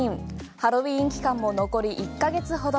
ハロウィン期間も残り１ヶ月ほど。